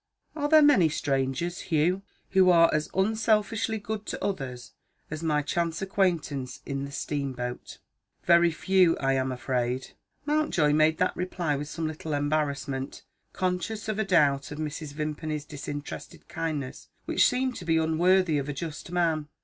Are there many strangers, Hugh, who are as unselfishly good to others as my chance acquaintance in the steamboat?" "Very few, I am afraid." Mountjoy made that reply with some little embarrassment; conscious of a doubt of Mrs. Vimpany's disinterested kindness, which seemed to be unworthy of a just man.